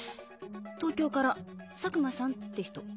東京から佐久間さんって人。